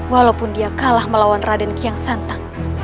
walaupun dia kalah melawan raden kiang santang